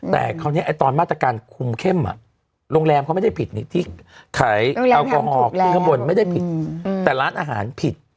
แต่คราวนี้ตอนมาตรการคุมเข้มโรงแรมเขาไม่ได้ผิดที่ขายแอลกอฮอล์ที่ข้างบนไม่ได้ผิดแต่ร้านอาหารผิด